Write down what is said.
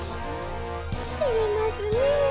てれますねえ。